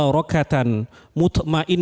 mubarak yang murni